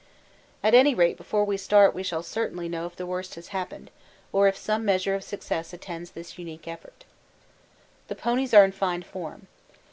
At any rate before we start we shall certainly know if the worst has happened, or if some measure of success attends this unique effort. The ponies are in fine form.